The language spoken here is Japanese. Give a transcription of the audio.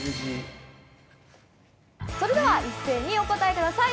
それでは一斉にお答えください。